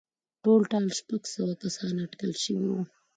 ټولټال شپږ سوه کسان اټکل شوي وو